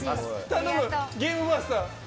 頼む、ゲームマスター！